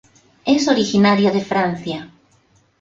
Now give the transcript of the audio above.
Es originaria de Francia.